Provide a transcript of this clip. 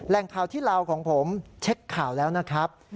ข่าวที่ลาวของผมเช็คข่าวแล้วนะครับ